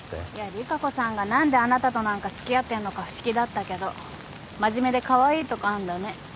利佳子さんが何であなたとなんか付き合ってんのか不思議だったけど真面目でカワイイとこあんだね。